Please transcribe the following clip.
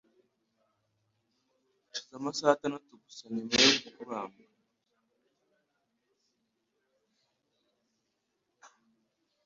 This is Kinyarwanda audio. hashize amasaha atandatu gusa nyuma yo kubambwa.